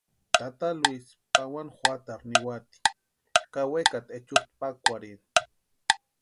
Tata Luisi pawani juatarhu niwati ka wekati echutʼa pakwarhini.